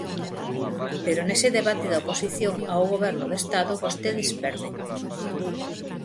Pero nese debate da oposición ao Goberno do Estado vostedes perden.